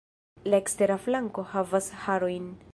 La ekstera flanko havas harojn.